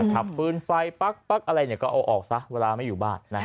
ถับฟื้นไฟปั๊กปั๊กอะไรเนี่ยก็เอาออกซะเวลาไม่อยู่บ้านนะฮะ